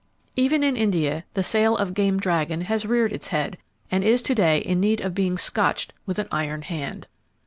Even in India, the sale of game dragon has reared its head, and is to day in need of being scotched with an iron hand.